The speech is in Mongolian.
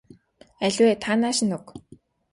Аль вэ та нааш нь өг.